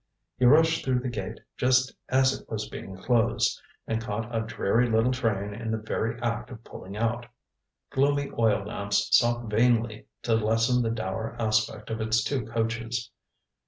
He rushed through the gate just as it was being closed, and caught a dreary little train in the very act of pulling out. Gloomy oil lamps sought vainly to lessen the dour aspect of its two coaches.